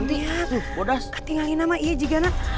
iya ketinggalin sama iya juga